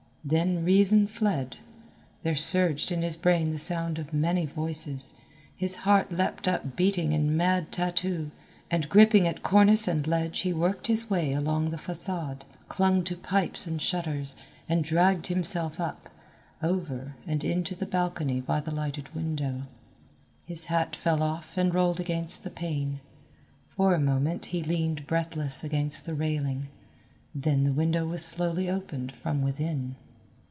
Then reason fled; there surged in his brain the sound of many voices, his heart leaped up beating a mad tattoo, and gripping at cornice and ledge he worked his way along the façade, clung to pipes and shutters, and dragged himself up, over and into the balcony by the lighted window. His hat fell off and rolled against the pane. For a moment he leaned breathless against the railing then the window was slowly opened from within.